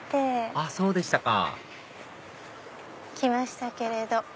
あそうでしたか来ましたけれど。